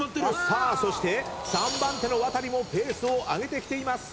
さあそして３番手のワタリもペースを上げてきています。